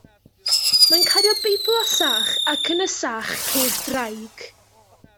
Mae'n cario Beibl a sach, ac yn y sach ceir draig.